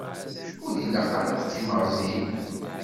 Ur ilaq ara ad qqimeɣ din.